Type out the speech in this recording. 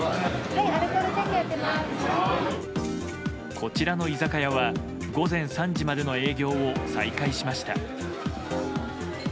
こちらの居酒屋は午前３時までの営業を再開しました。